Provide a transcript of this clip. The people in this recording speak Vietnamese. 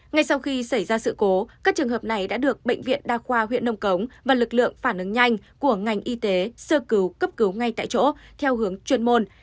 ngay sau khi xảy ra sự cố các trường hợp này đã được bệnh viện đa khoa huyện nông cống và lực lượng phản ứng nhanh của ngành y tế sơ cứu cấp cứu ngay tại chỗ theo hướng chuyên môn